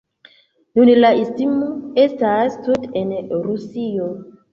Nun la istmo estas tute en Rusio.